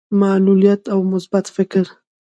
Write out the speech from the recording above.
معلوليت او مثبت فکر.